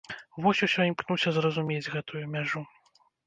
Вось усё імкнуся зразумець гэтую мяжу.